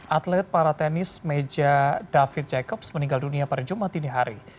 atlet para tenis meja david jacobs meninggal dunia pada jumat ini hari